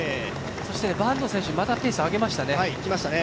そして坂東選手、またペース上げましたね。